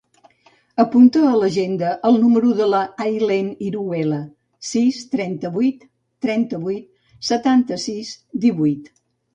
Apunta a l'agenda el número de l'Aylen Iruela: sis, trenta-vuit, trenta-vuit, setanta-sis, divuit.